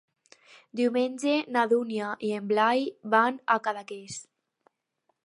Diumenge na Dúnia i en Blai van a Cadaqués.